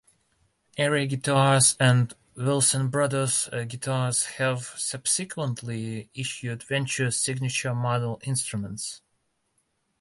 Aria Guitars and Wilson Brothers Guitars have subsequently issued Ventures Signature Model instruments.